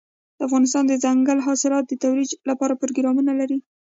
افغانستان د دځنګل حاصلات د ترویج لپاره پروګرامونه لري.